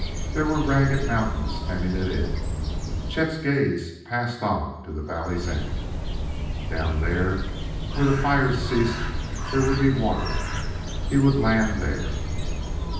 There were ragged mountains hemming it in; Chet's gaze passed on to the valley's end. Down there, where the fires ceased, there would be water; he would land there!